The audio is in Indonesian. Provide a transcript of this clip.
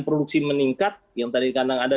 produksi meningkat yang tadi kandang ada